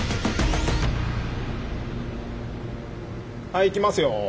はいいきますよ。